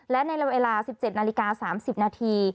และในเวลา๑๗นาฬิกา๓๐นาที